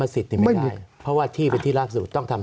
สวัสดีครับทุกคน